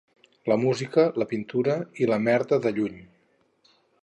La música, la pintura i la merda, de lluny.